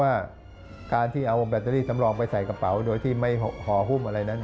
ว่าการที่เอาแบตเตอรี่สำรองไปใส่กระเป๋าโดยที่ไม่ห่อหุ้มอะไรนั้น